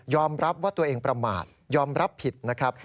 รับว่าตัวเองประมาทยอมรับผิดนะครับ